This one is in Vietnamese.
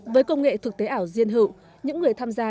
với công nghệ thực tế ảo riêng hữu những người tham gia